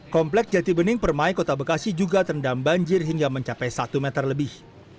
komplek jati bening permai kota bekasi juga terendam banjir hingga mencapai satu meter lebih